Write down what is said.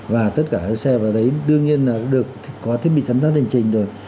và tất cả các xe vào đấy đương nhiên là được có thiết bị chấm sát hành trình rồi